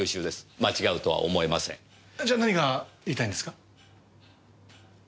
じゃあ何が言いたいんですか？